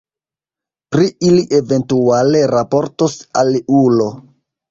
Pri ili eventuale raportos aliulo.